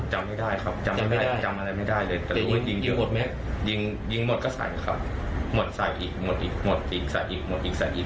หมดอีกใส่อีกหมดอีกใส่อีก